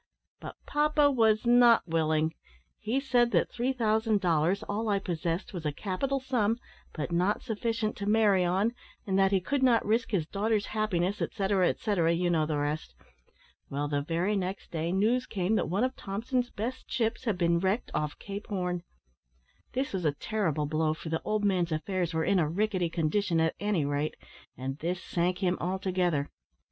But papa was not willing. He said that three thousand dollars, all I possessed, was a capital sum, but not sufficient to marry on, and that he could not risk his daughter's happiness, etcetera, etcetera you know the rest. Well, the very next day news came that one of Thompson's best ships had been wrecked off Cape Horn. This was a terrible blow, for the old man's affairs were in a rickety condition at any rate, and this sank him altogether.